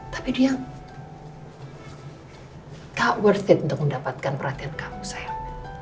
tapi dia tak worth it untuk mendapatkan perhatian kamu sayang